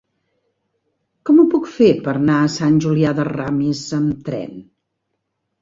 Com ho puc fer per anar a Sant Julià de Ramis amb tren?